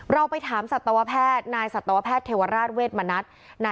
เราไปถามนายสัตวแพทย์เทวาราชเวทมานะ